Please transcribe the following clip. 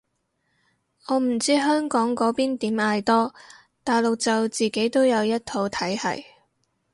我唔知香港嗰邊點嗌多，大陸就自己都有一套體係